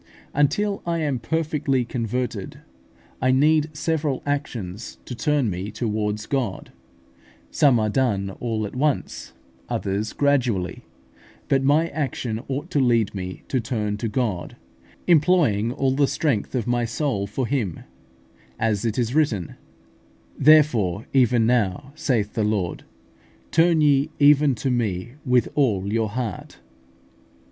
Until I am perfectly converted, I need several actions to turn me towards God. Some are done all at once, others gradually; but my action ought to lead me to turn to God, employing all the strength of my soul for Him, as it is written, "Therefore even now, saith the Lord, turn ye even to me with all your heart" (Joel ii.